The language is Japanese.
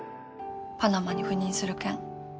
パナマに赴任する件。